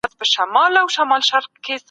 علمي حقايق د مشاهدې پر بنسټ نه ثابتېږي؟